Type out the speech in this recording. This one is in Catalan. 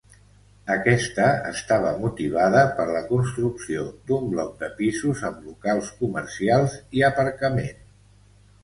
Aquesta estava motivada per la construcció d'un bloc de pisos amb locals comercials i aparcament.